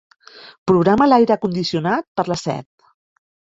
Programa l'aire condicionat per a les set.